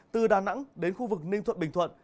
từ đà nẵng đến khu vực ninh thuận bình thuận